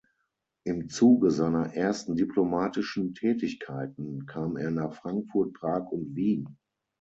Im Zuge seiner ersten diplomatischen Tätigkeiten kam er nach Frankfurt, Prag und Wien.